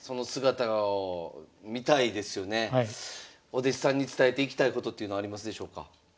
お弟子さんに伝えていきたいことっていうのはありますでしょうか？